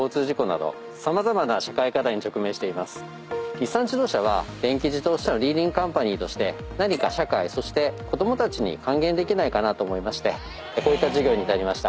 日産自動車は電気自動車のリーディングカンパニーとして何か社会そして子供たちに還元できないかなと思いましてこういった授業に至りました。